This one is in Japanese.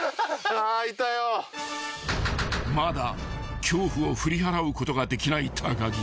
［まだ恐怖を振り払うことができない高木］